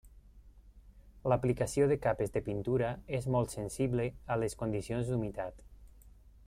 L'aplicació de capes de pintura és molt sensible a les condicions d'humitat.